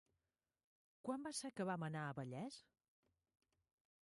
Quan va ser que vam anar a Vallés?